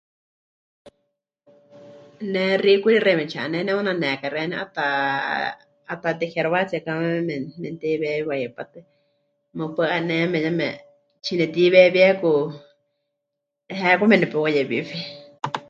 Ne xiikuri xeíme tsi'ané ne'unaneka xeeníu 'atatejeruatsiekame memɨte'iweewiwa hipátɨ, mɨpaɨ 'aneme yeme tsinetiwewieku heekwame nepeuyewiwi.